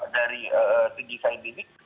dari tinggi kain tinggi